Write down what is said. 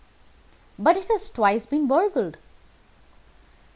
"But it has twice been burglarized."